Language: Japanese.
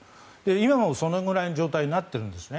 今もそのぐらいの状態になってるんですね。